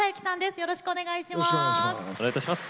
よろしくお願いします。